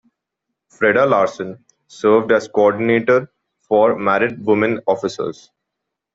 Freda Larsson served as coordinator for married women officers.